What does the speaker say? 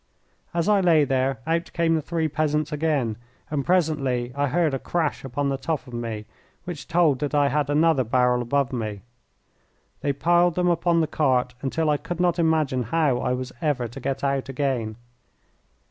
As I lay there, out came the three peasants again, and presently I heard a crash upon the top of me which told that I had another barrel above me. They piled them upon the cart until I could not imagine how I was ever to get out again.